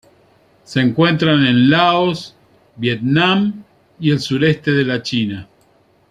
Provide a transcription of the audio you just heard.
Se encuentra en Laos, Vietnam y el sureste de la China.